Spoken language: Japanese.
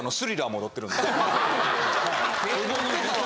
踊ってたわ